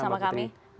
sama sama mbak fitri